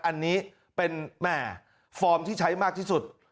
อันนี้เป็นแหม่ฟอร์มที่ใช้มากที่สุด